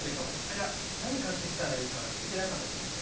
いや何買って来たらいいか聞いてなかったと思って。